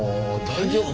大丈夫？